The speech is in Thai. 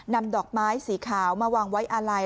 นำดอกไม้สีขาวมาวางไว้อาลัย